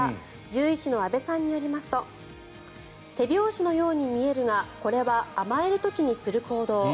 獣医師の阿部さんによりますと手拍子のように見えるがこれは甘える時にする行動。